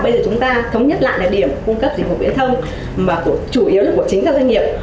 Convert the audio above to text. bây giờ chúng ta thống nhất lại là điểm cung cấp dịch vụ viễn thông mà chủ yếu là của chính các doanh nghiệp